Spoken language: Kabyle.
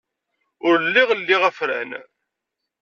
Ur lliɣ liɣ afran.